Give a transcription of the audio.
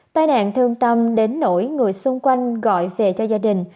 tai nạn thương tâm đến nỗi người xung quanh gọi về cho gia đình